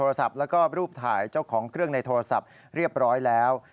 แล้วก็รูปถ่ายเจ้าของเครื่องในโทรศัพท์เรียบร้อยแล้ว